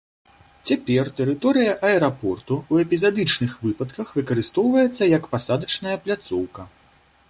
Цяпер тэрыторыя аэрапорту у эпізадычных выпадках выкарыстоўваецца як пасадачная пляцоўка.